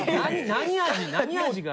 何味が？